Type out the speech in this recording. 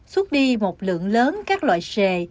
xuất đi một lượng lớn các loại sề